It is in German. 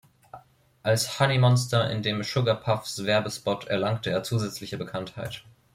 Als Honey Monster in dem Sugar-Puffs-Werbespot erlangte er zusätzliche Bekanntheit.